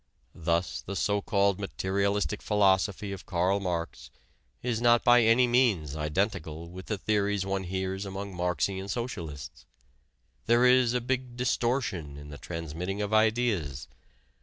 Thus the so called materialistic philosophy of Karl Marx is not by any means identical with the theories one hears among Marxian socialists. There is a big distortion in the transmitting of ideas.